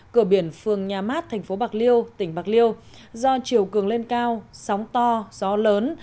cửa biển phường nhà mát thành phố bạc liêu tỉnh bạc liêu do chiều cường lên cao sóng to gió lớn